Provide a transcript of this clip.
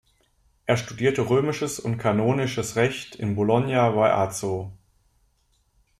Er studierte römisches und kanonisches Recht in Bologna bei Azo.